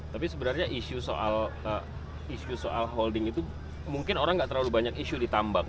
tapi sebenarnya isu soal holding itu mungkin orang nggak terlalu banyak isu di tambang